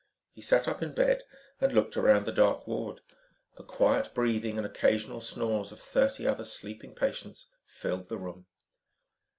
He sat up in bed and looked around the dark ward. The quiet breathing and occasional snores of thirty other sleeping patients filled the room.